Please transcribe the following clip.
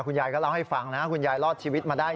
คุณยายก็เล่าให้ฟังนะคุณยายรอดชีวิตมาได้